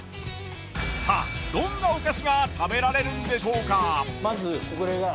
さあどんなお菓子が食べられるんでしょうか？